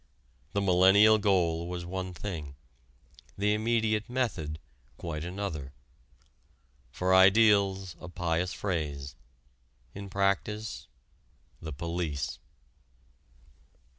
The millennial goal was one thing; the immediate method quite another. For ideals, a pious phrase; in practice, the police.